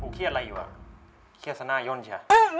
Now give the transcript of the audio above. ปูเครียดอะไรอยู่อะเครียดสน่ายยนต์เฉะ